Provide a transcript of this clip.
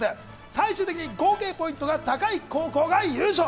最終的に合計ポイントが高い高校が優勝。